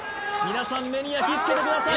皆さん目に焼きつけてください